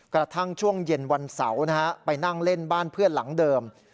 กระทั่งช่วงเย็นวันเสาร์ไปนั่งเล่นบ้านเพื่อนหลังเดิม